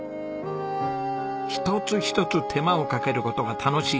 一つ一つ手間をかける事が楽しい。